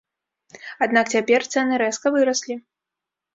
Аднак цяпер цэны рэзка выраслі.